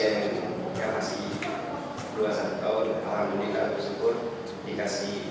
tahun tahun alamunikah tersebut dikasih gelar juga